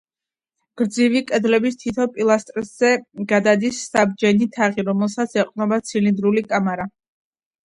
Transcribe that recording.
გრძივი კედლების თითო პილასტრზე გადადის საბჯენი თაღი, რომელსაც ეყრდნობა ცილინდრული კამარა.